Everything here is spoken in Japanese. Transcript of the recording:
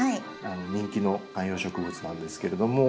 人気の観葉植物なんですけれども。